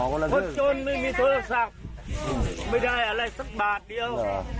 เพราะชนไม่มีโทรศัพท์ไม่ได้อะไรสักบาทเดียว